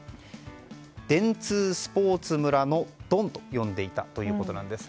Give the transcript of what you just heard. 電通スポーツ村のドンと呼んでいたということです。